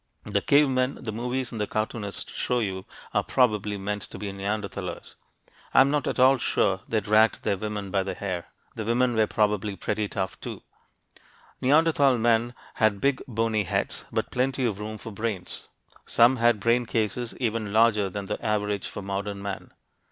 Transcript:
The "cave men" the movies and the cartoonists show you are probably meant to be Neanderthalers. I'm not at all sure they dragged their women by the hair; the women were probably pretty tough, too! Neanderthal men had large bony heads, but plenty of room for brains. Some had brain cases even larger than the average for modern man.